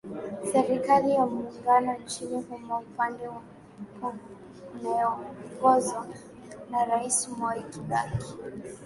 serikali ya muungano nchini humo upande wa pnu unaeongozwa na rais mwai kibaki